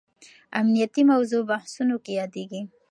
امنیتي موضوع بحثونو کې یادېږي.